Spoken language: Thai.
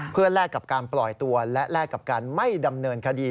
เพื่อแลกกับการปล่อยตัวและแลกกับการไม่ดำเนินคดี